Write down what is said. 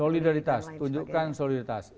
solidaritas tunjukkan solidaritas